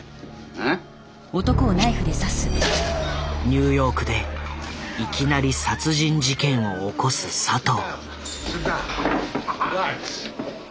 ニューヨークでいきなり殺人事件を起こす佐藤。